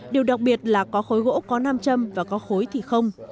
điều đặc biệt là có khối gỗ có nam châm và có khối thì không